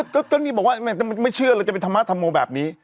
ก็นี่บอกว่าไม่เชื่อเลยจะเป็นธรรมะธรรโมแบบนี้